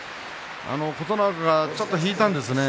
琴ノ若が少し引いたんですね。